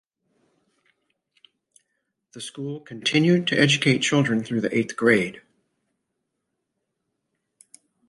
The school continued to educate children through the eighth grade.